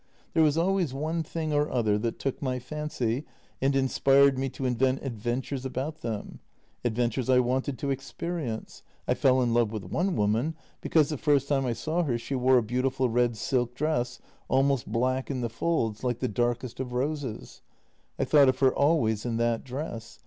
There was always one thing or other that took my fancy and inspired me to invent adventures about them — adventures I wanted to experience. I fell in love with one woman because the first time I saw her she wore a beautiful red silk dress, almost black in the folds, like the darkest of roses. I thought of her always in that dress.